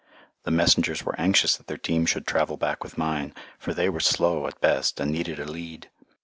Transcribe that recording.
The messengers were anxious that their team should travel back with mine, for they were slow at best and needed a lead.